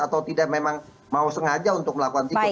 atau tidak memang mau sengaja untuk melakukan sikap